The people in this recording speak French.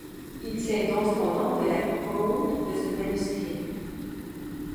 Il tient donc son nom de la cote de ce manuscrit.